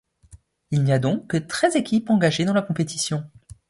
Il n'y a donc que treize équipes engagées dans la compétition.